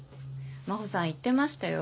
真帆さん言ってましたよ。